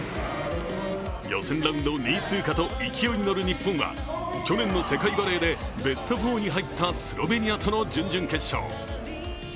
予選ラウンド２位通過と勢いに乗る日本は、去年の世界バレーでベスト４に入ったスロベニアとの準々決勝。